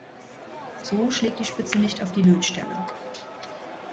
So schlägt die Spitze nicht auf die Lötstelle.